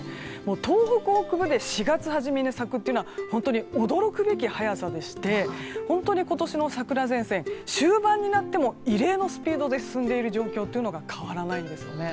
東北北部で４月初めに咲くというのは本当に驚くべき早さでして本当に今年の桜前線終盤になっても異例のスピードで進んでいる状況が変わらないんですね。